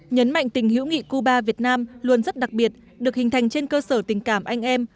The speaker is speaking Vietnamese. nhấn mạnh tình hữu nghị cuba việt nam luôn rất đặc biệt được hình thành trên cơ sở tình cảm anh em